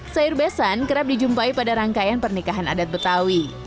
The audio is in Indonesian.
sayur besan kerap dijumpai pada rangkaian pernikahan adat betawi